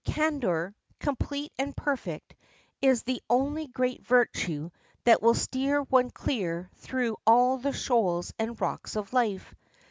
Candor, complete and perfect, is the only great virtue that will steer one clear through all the shoals and rocks of life.